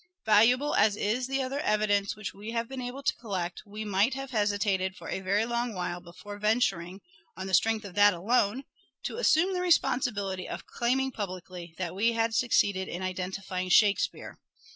Valuable as is the other evidence which we have been able to collect, we might have hesitated for a very long while before venturing, on the strength of that alone, to assume the responsibility of claiming publicly that we had succeeded in identi fying Shakespeare.